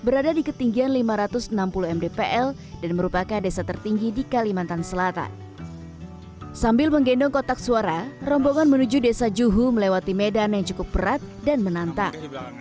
rombongan menuju desa juhu melewati medan yang cukup berat dan menantang